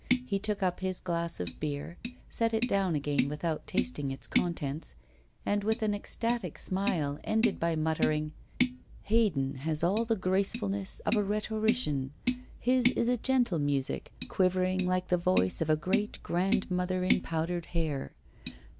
He took up his glass of beer, set it down again without tasting its contents, and with an ecstatic smile ended by muttering: 'Haydn has all the gracefulness of a rhetorician his is a gentle music, quivering like the voice of a great grandmother in powdered hair.